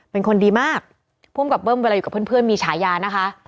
เป็นคนดีมากภูมิกับเบิ้มเวลาอยู่กับเพื่อนมีฉายานะคะ